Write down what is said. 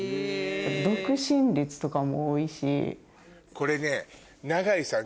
これね永井さん